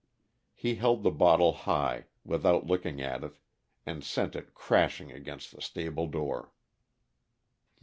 He held the bottle high, without looking at it, and sent it crashing against the stable door.